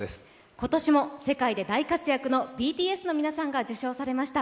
今年も世界で大活躍のＢＴＳさんが受賞されました。